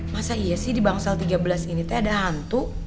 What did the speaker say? masa iya sih di bangsal tiga belas ini teh ada hantu